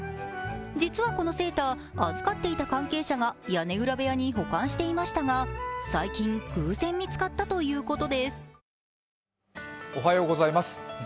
実はこのセーター、預かっていた関係者が屋根裏部屋に保管していましたが、最近、偶然見つかったということです。